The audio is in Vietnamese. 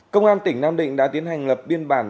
công an tỉnh nam định đã tiến hành lập biên bản